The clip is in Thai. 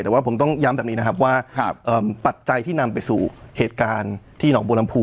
แต่ว่าผมต้องย้ำแบบนี้นะครับว่าปัจจัยที่นำไปสู่เหตุการณ์ที่หนองบัวลำพู